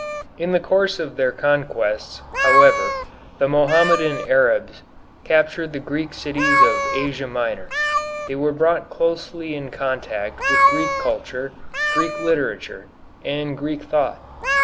In the course of their conquests, however, the Mohammedan Arabs captured the Greek cities of Asia Minor. They were brought closely in contact with Greek culture, Greek literature, and Greek thought.